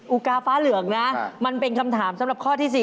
อุกาฟ้าเหลืองนะมันเป็นคำถามสำหรับข้อที่๔